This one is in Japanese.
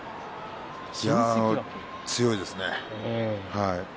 強いですね。